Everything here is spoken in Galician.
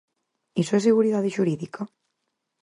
¿Iso é seguridade xurídica?